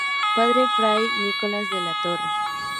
Padre Fray Nicolás de la Torre.